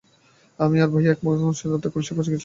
আমি আর ভাইয়া এক অমাবস্যার রাতে কলসির পাশে জেগেছিলাম।